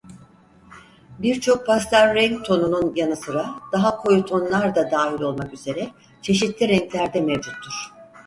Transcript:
Birçok pastel renk tonunun yanı sıra daha koyu tonlar da dahil olmak üzere çeşitli renklerde mevcuttur.